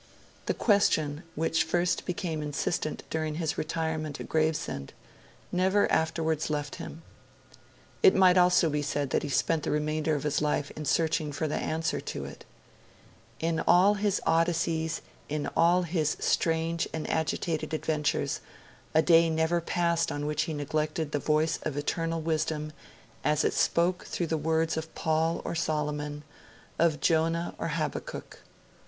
The question, which first became insistent during his retirement at Gravesend, never afterwards left him; it might almost be said that he spent the remainder of his life in searching for the answer to it. In all his Odysseys, in all his strange and agitated adventures, a day never passed on which he neglected the voice of eternal wisdom as it spoke through the words of Paul or Solomon, of Jonah or Habakkuk.